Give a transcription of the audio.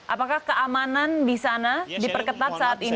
apakah keamanan di sana diperketat saat ini